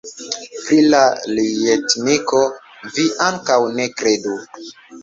Pri la ljetniko vi ankaŭ ne kredu!